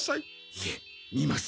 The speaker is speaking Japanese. いえ見ます。